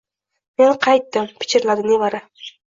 Men qaytdim, – pichirladi nevara.